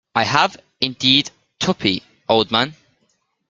I have, indeed, Tuppy, old man.